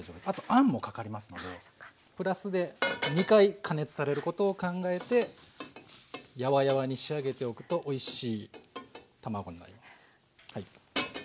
あとあんもかかりますのでプラスで２回加熱されることを考えてやわやわに仕上げておくとおいしい卵になります。